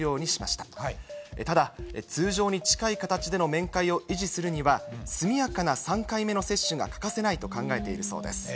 ただ通常に近い形での面会を維持するには、速やかな３回目の接種が欠かせないと考えているそうです。